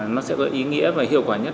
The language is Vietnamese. nó sẽ có ý nghĩa và hiệu quả nhất